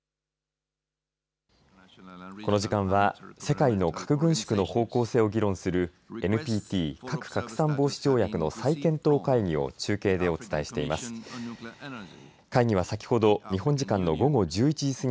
この時間は世界の核軍縮の方向性を議論するＮＰＴ、核拡散防止条約の再検討会議を中継でお伝えしています。